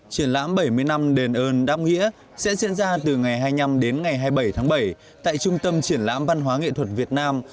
triển lãm bảy mươi năm đền ơn đáp nghĩa sẽ diễn ra từ ngày hai mươi năm đến ngày hai mươi bảy tháng bảy tại trung tâm triển lãm văn hóa nghệ thuật việt nam